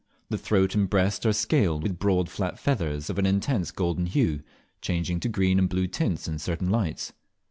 The throat and breast are scaled with broad flat feathers of an intense golden hue, changing to green and blue tints in certain lights.